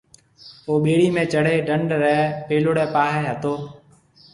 او ٻيڙِي ۾ چڙھيَََ دنڍ رَي پيلوڙَي پاھيََََ ھتو۔